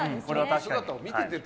姿を見ていてと。